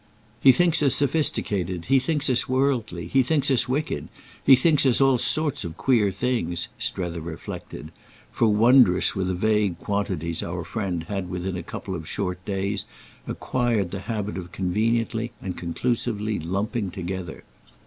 "He thinks us sophisticated, he thinks us worldly, he thinks us wicked, he thinks us all sorts of queer things," Strether reflected; for wondrous were the vague quantities our friend had within a couple of short days acquired the habit of conveniently and conclusively lumping together.